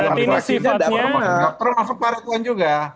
nggak pernah masuk pak retuan juga